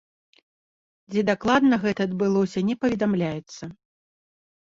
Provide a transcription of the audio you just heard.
Дзе дакладна гэта адбылося, не паведамляецца.